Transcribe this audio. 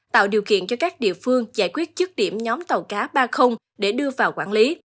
tạo điều kiện cho các địa phương giải quyết chức điểm nhóm tàu cá ba để đưa vào quản lý